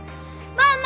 ママ！